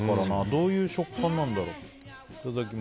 どういう食感なんだろう。